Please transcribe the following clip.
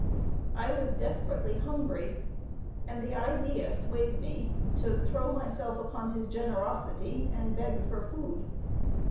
I was desperately hungry, and the idea swayed me to throw myself upon his generosity and beg for food.